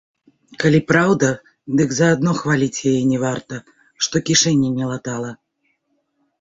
Калі праўда, дык за адно хваліць яе не варта, што кішэні не латала.